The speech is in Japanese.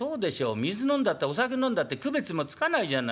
水飲んだってお酒飲んだって区別もつかないじゃない。